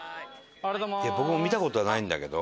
僕も見た事はないんだけど。